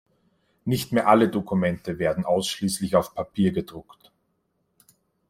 Nicht mehr alle Dokumente werden ausschließlich auf Papier gedruckt.